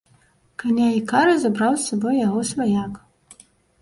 Каня і кары забраў з сабою яго сваяк.